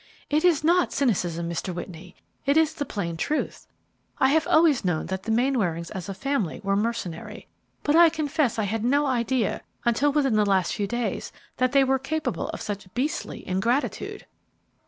"It is not cynicism, Mr. Whitney; it is the plain truth. I have always known that the Mainwarings as a family were mercenary; but I confess I had no idea, until within the last few days, that they were capable of such beastly ingratitude."